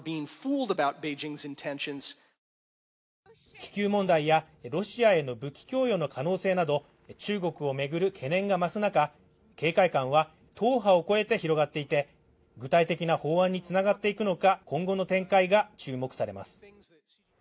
気球問題やロシアへの武器供与の可能性など中国を巡る懸念が増す中、警戒感は党派を超えて広がっていて、具体的な法案に繋がっていくのか、今後の展開が注目されます。